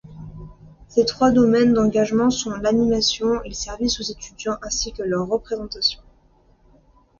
Ses trois domaines d’engagements sont l’animation, les services aux étudiants ainsi que leur représentation.